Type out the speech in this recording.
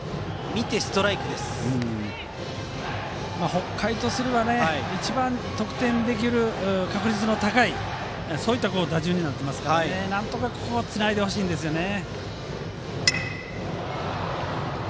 北海とすれば一番得点できる確率の高いそういった打順になっているのでなんとかここをつないでほしいですね。